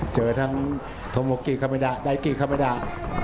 เจอทั้งโทโมกิคาเมดาไดกิคาเมดา